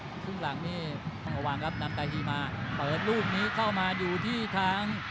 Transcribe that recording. โอ้โหซึ่งหลังนี้เอาหวังครับนำตาฮีมาเปิดรูปนี้เข้ามาอยู่ที่ทาง